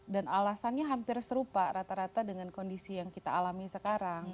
dan alasannya hampir serupa rata rata dengan kondisi yang kita alami sekarang